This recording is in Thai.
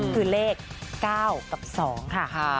คือเลข๙กับ๒ค่ะ